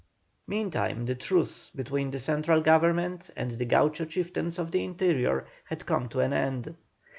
Meantime the truce between the central Government and the Gaucho chieftains of the interior had come to an end.